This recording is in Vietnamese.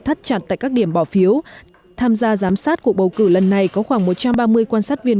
thắt chặt tại các điểm bỏ phiếu tham gia giám sát cuộc bầu cử lần này có khoảng một trăm ba mươi quan sát viên